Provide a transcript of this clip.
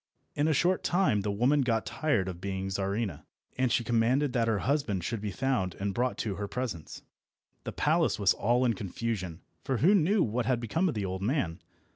In a short time the woman got tired of being Czarina, and she commanded that her husband should be found and brought to her presence. The palace was all in confusion, for who knew what had become of the old man?